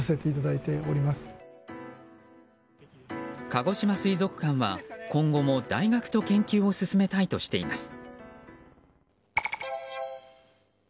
かごしま水族館は今後も大学と研究を進めたいとしています。